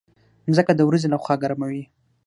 مځکه د ورځې له خوا ګرمه وي.